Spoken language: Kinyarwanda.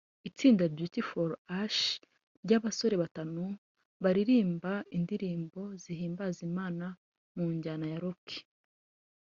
Itsinda Beauty For Ashes ry’abasore batanu baririmba indirimbo zihimbaza Imana mu njyana ya Rock